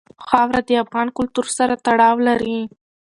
خاوره د افغان کلتور سره تړاو لري.